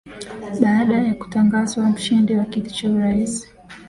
baada ya kutangazwa mshindi wa kiti cha urais